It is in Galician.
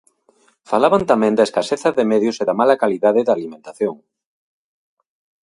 Falaban tamén da escaseza de medios e da mala calidade da alimentación.